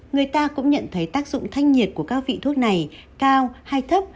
người ta cũng nhận thấy tác dụng thanh nhiệt của các vị thuốc này cao hay thấp